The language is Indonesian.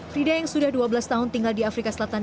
frida yang sudah dua belas tahun tinggal di afrika selatan